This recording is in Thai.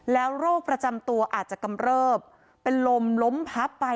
แล้วโรคประจำตัวอาจจะกำเริบเป็นลมล้มพับไป